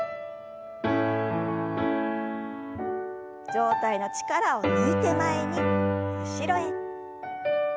上体の力を抜いて前に後ろへ。